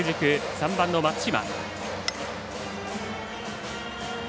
３番の松嶋。